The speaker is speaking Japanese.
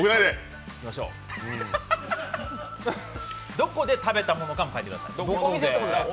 どこで食べたものかも書いてください。